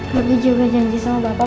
tapi juga janji sama bapak